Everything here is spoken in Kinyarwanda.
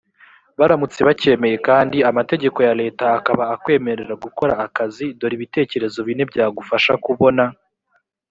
baramutse bacyemeye kandi amategeko ya leta akaba akwemerera gukora akazi dore ibitekerezo bine byagufasha kubona